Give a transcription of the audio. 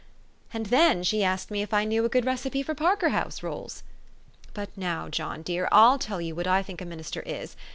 And then she asked me if I knew a good recipe for Parker house rolls. But now, John dear, I'll tell you what I think a minister is.